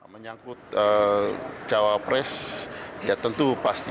menyangkut cawapres ya tentu pasti